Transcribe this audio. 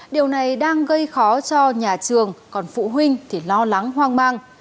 điều này đang gây khó cho nhà trường còn phụ huynh thì lo lắng hoang mang